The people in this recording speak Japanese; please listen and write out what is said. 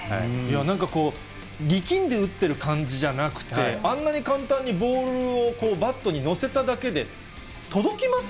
なんかこう、力んで打ってる感じじゃなくて、あんなに簡単にボールをバットに載せただけで届きます？